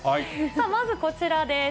まずこちらです。